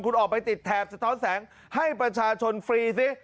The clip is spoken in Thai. คุณออกไปติดแถบสะท้อนแสงให้ประชาชนฟรีสิ